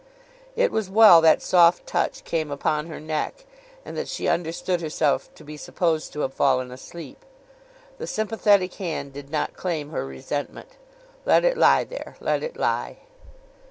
It was well that soft touch came upon her neck, and that she understood herself to be supposed to have fallen asleep. The sympathetic hand did not claim her resentment. Let it lie there, let it lie.